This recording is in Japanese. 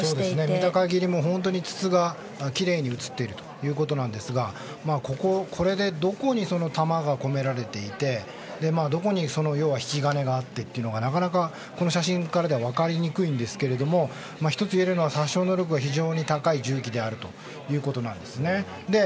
見た限り、本当に筒がきれいに映っていますがこれでどこに弾が込められていてどこに引き金があってというのがなかなかこの写真からは分かりにくいんですが１ついえるのは殺傷能力が非常に高い銃器であるということですね。